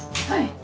はい。